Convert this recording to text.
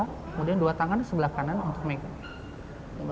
kemudian dua tangan sebelah kanan untuk menggunakan